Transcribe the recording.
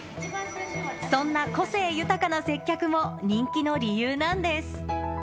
そんな個性豊かな接客も人気の理由なんです。